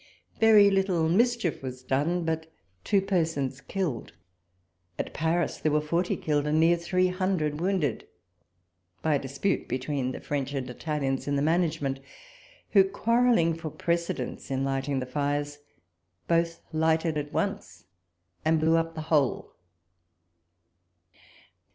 Very little mischief was done, and but two persons killed: at Paris, there were forty killed and near three hundred wnimded, by a dispute between the French and Italians in the manage ment, who, quarrelling for precedence in lighting the fires, both lighted at once and blew up the whole.